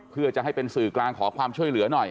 เพื่อจะให้เป็นสื่อกลางขอความช่วยเหลือหน่อย